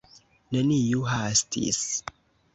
Neniu hastis.